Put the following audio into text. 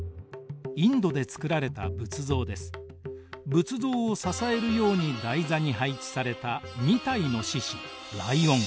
仏像を支えるように台座に配置された２体の獅子ライオン。